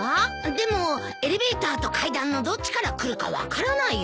でもエレベーターと階段のどっちから来るか分からないよ。